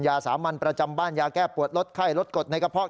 สามัญประจำบ้านยาแก้ปวดลดไข้ลดกดในกระเพาะ